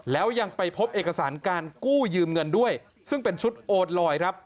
แล้วยังไปพบเอกสารการกู้ยืมเงินด้วยซึ่งเป็นชุดโอนลอยครับ